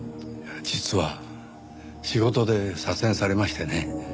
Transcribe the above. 実は仕事で左遷されましてね。